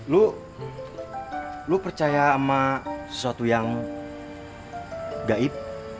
lu lo percaya sama sesuatu yang gaib